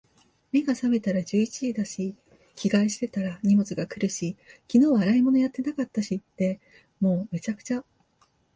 目が覚めたら十一時だし、着替えしてたら荷物が来るし、昨日は洗い物やってなかったしで……もう、滅茶苦茶。